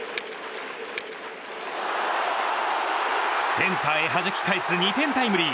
センターへはじき返す２点タイムリー。